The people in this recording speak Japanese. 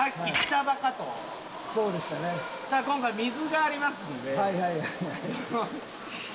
ただ今回水がありますので。